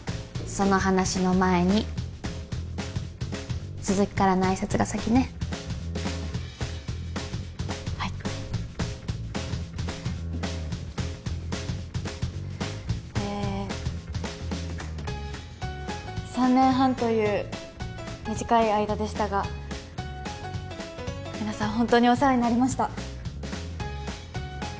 その話の前に鈴木からの挨拶が先ねはいええ３年半という短い間でしたが皆さん本当にお世話になりました